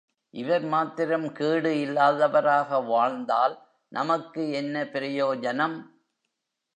இவர் மாத்திரம் கேடு இல்லாதவராக வாழ்ந்தால் நமக்கு என்ன பிரயோஜனம்?